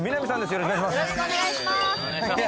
よろしくお願いします。